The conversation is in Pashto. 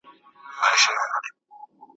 ما په خپل ځان کي درګران که ټوله مینه ماته راکه ,